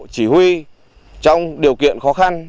chỉ huy trong điều kiện khó khăn